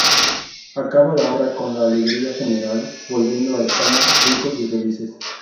Acaba la obra con la alegría general, volviendo a España ricos y felices.